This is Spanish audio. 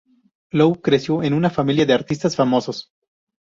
Lou creció en una familia de artistas famosos.